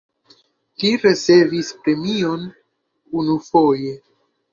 Li ricevis premion unufoje.